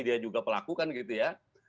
dia juga pelaku kan gitu ya